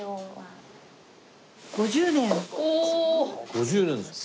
５０年ですか。